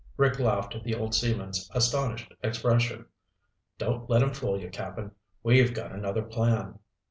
Rick laughed at the old seaman's astonished expression. "Don't let him fool you, Cap'n. We've got another plan."